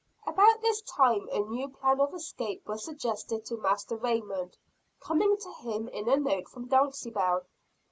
About this time a new plan of escape was suggested to Master Raymond; coming to him in a note from Dulcibel.